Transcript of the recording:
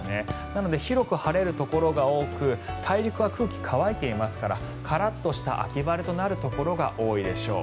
なので広く晴れるところが多く大陸は空気が乾いていますからカラッとした秋晴れとなるところが多いでしょう。